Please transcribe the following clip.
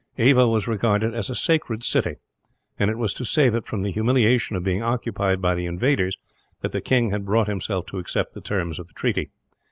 Ava was regarded as a sacred city, and it was to save it from the humiliation of being occupied by the invaders that the king had brought himself to accept the terms of the treaty.